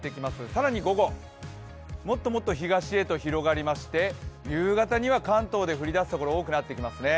更に午後、もっともっと東へと広がりまして夕方には関東に降り出すところが多くなってきますね。